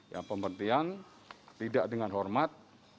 yang pemberhentian tidak dengan hormat